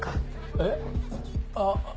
えっ？あっ。